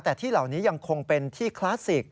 แต่ที่เหล่านี้ยังคงเป็นที่คลาสสิก